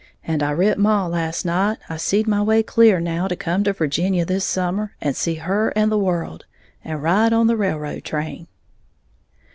And I writ maw last night I seed my way clear now to come to Virginia this summer, and see her and the world, and ride on the railroad train!"